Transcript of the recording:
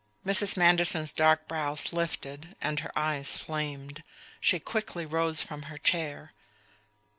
Mrs. Manderson's dark brows lifted and her eyes flamed; she quickly rose from her chair.